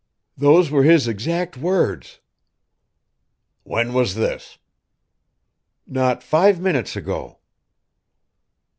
"Those were his exact words." "When was this?" "Not five minutes ago."